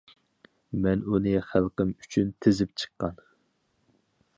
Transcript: مەن ئۇنى خەلقىم ئۈچۈن تىزىپ چىققان.